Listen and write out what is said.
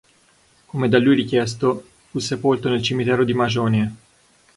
Come da lui richiesto, fu sepolto nel cimitero di Magione.